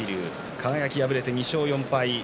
輝、敗れて２勝４敗。